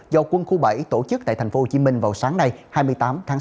do quân khu bảy tổ chức tại tp hcm vào sáng nay hai mươi tám tháng tám